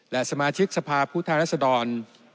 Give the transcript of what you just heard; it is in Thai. และสมาชิกสภาผู้ทางรัฐสดร